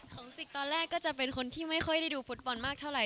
สิกตอนแรกก็จะเป็นคนที่ไม่ค่อยได้ดูฟุตบอลมากเท่าไห